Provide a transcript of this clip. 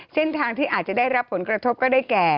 เส้นทางที่อาจจะได้รับผลกระทบก็ได้แก่